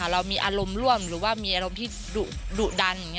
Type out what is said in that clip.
เรามีอารมณ์ร่วมหรือว่ามีอารมณ์ที่ดุดัน